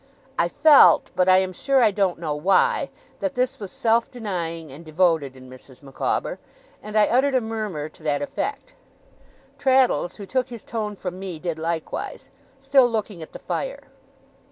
I felt, but I am sure I don't know why, that this was self denying and devoted in Mrs. Micawber, and I uttered a murmur to that effect. Traddles, who took his tone from me, did likewise, still looking at the fire.